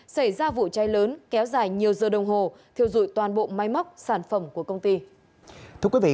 xảy ra vụ cháy lớn kéo dài nhiều giờ đồng hồ thiêu dụi toàn bộ máy móc sản phẩm của công ty